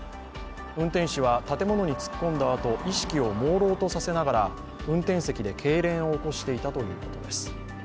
運転手は建物に突っ込んだあと、意識をもうろうとさせながら運転席でけいれんを起こしていたということです。